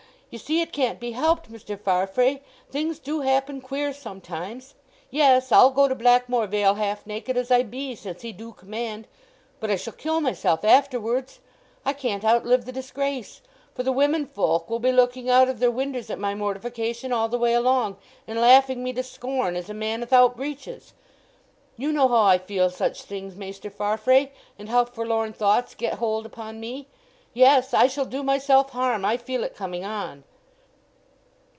Ye see it can't be helped, Mr. Farfrae; things do happen queer sometimes! Yes—I'll go to Blackmoor Vale half naked as I be, since he do command; but I shall kill myself afterwards; I can't outlive the disgrace, for the women folk will be looking out of their winders at my mortification all the way along, and laughing me to scorn as a man 'ithout breeches! You know how I feel such things, Maister Farfrae, and how forlorn thoughts get hold upon me. Yes—I shall do myself harm—I feel it coming on!"